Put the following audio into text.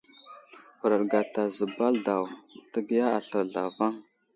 Huraɗ gata zəbal daw ,təgiya aslər zlavaŋ.